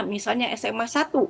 misalnya sma satu